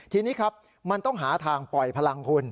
ทีนี้ครับมันต้องหาทางปล่อยพลังคุณ